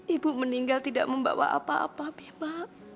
ibu meninggal tidak membawa apa apa bima